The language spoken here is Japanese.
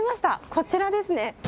こちらですね。